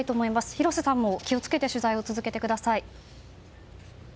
広瀬さんも気を付けて取材を続けてください。